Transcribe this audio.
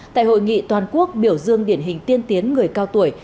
tại hội nghị toàn quốc biểu dương điển hình tiên tiến người cao tuổi